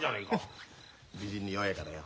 フッ美人に弱いからよ